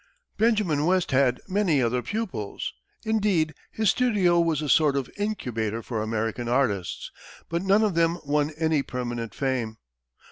Benjamin West had many other pupils indeed, his studio was a sort of incubator for American artists but none of them won any permanent fame.